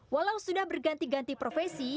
walau sudah berganti ganti profesi